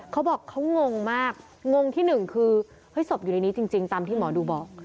เขาบอกเขางงมากงงที่หนึ่งคือเฮ้ยศพอยู่ในนี้จริงตามที่หมอดูบอก